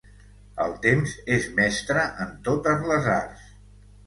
El temps és mestre en totes les arts.